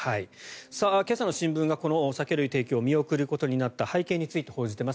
今朝の新聞がこの酒類提供を見送ることになった背景について報じています。